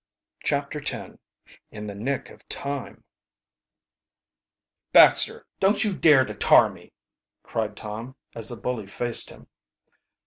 CHAPTER X IN THE NICK OF TIME "Baxter, don't you dare to tar me!" cried Tom, as the bully faced him.